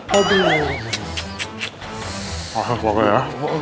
masih sumpah ya